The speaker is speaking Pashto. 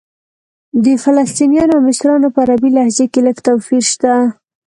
د فلسطنیانو او مصریانو په عربي لهجه کې لږ توپیر شته.